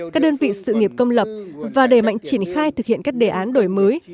các đơn vị sự nghiệp công lập và đề mạnh triển khai thực hiện các đề án đổi mới